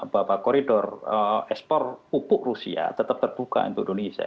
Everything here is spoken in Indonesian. bahwa koridor ekspor pupuk rusia tetap terbuka untuk indonesia